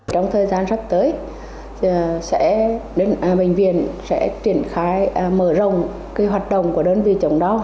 trong thời gian sắp tới bệnh viện sẽ triển khai mở rộng hoạt động của đơn vị chống đau